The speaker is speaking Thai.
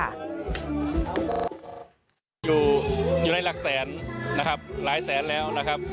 อยู่ในหลักแสนนะครับหลายแสนแล้วนะครับ